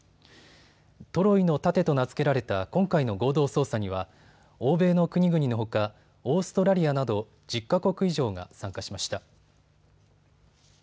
トロイの盾と名付けられた今回の合同捜査には欧米の国々のほかオーストラリアなど１０か国以上が参加しました。